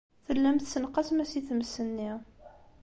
Tellam tessenqasem-as i tmes-nni.